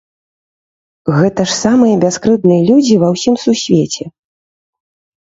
Гэта ж самыя бяскрыўдныя людзі ва ўсім сусвеце!